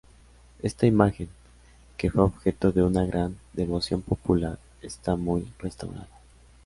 Esta imagen, que fue objeto de una gran devoción popular, está muy restaurada.